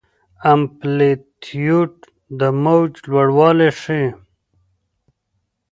امپلیتیوډ د موج لوړوالی ښيي.